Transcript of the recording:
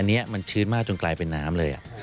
อันนี้มันชื้นมากจนกลายเป็นน้ำเลย